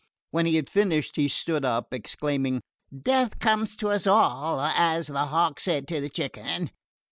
When he had finished he stood up, exclaiming: "Death comes to us all, as the hawk said to the chicken.